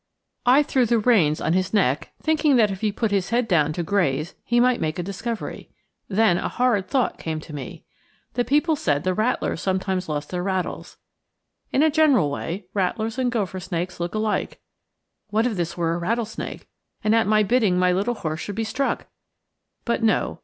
I threw the reins on his neck, thinking that if he put his head down to graze he might make a discovery. Then a horrid thought came to me. The people said the rattlers sometimes lost their rattles. In a general way, rattlers and gopher snakes look alike; what if this were a rattlesnake, and at my bidding my little horse should be struck! But no.